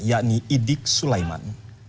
yakni idik sulaiman